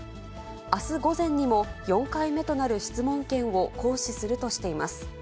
あす午前にも４回目となる質問権を行使するとしています。